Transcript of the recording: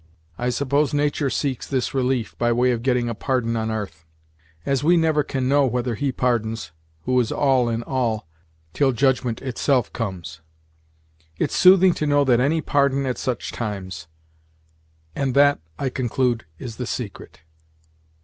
I suppose natur' seeks this relief, by way of getting a pardon on 'arth; as we never can know whether He pardons, who is all in all, till judgment itself comes. It's soothing to know that any pardon at such times; and that, I conclude, is the secret.